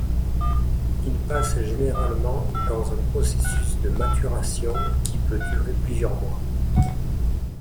Il passe généralement dans un processus de maturation qui peut durer plusieurs mois.